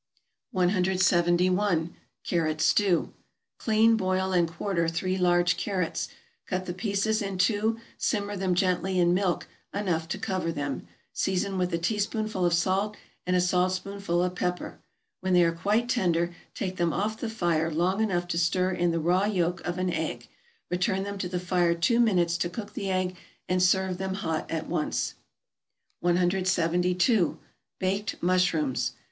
171. =Carrot Stew.= Clean, boil, and quarter three large carrots; cut the pieces in two; simmer them gently in milk enough to cover them, season with a teaspoonful of salt, and a saltspoonful of pepper; when they are quite tender take them off the fire long enough to stir in the raw yolk of an egg, return them to the fire two minutes to cook the egg, and serve them hot at once. 172. =Baked Mushrooms.